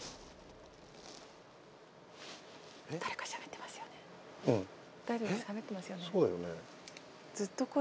誰かしゃべってますよね。